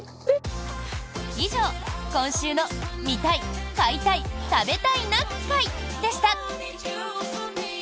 以上、今週の「見たい買いたい食べたいな会」でした！